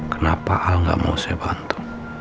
kenapa al gak mau saya bantu